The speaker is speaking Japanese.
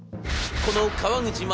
この川口勝